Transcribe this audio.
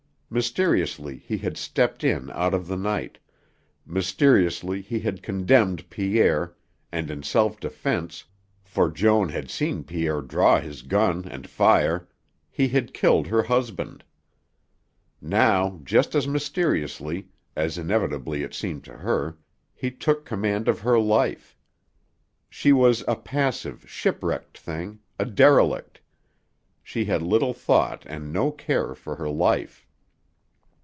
Mysteriously he had stepped in out of the night, mysteriously he had condemned Pierre, and in self defense, for Joan had seen Pierre draw his gun and fire, he had killed her husband. Now, just as mysteriously, as inevitably it seemed to her, he took command of her life. She was a passive, shipwrecked thing a derelict. She had little thought and no care for her life.